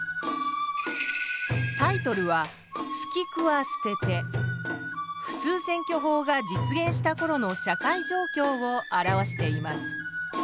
タイトルは普通選挙法が実現したころの社会状況を表しています。